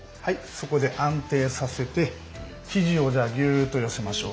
そこで安定させて肘をギューッと寄せましょう。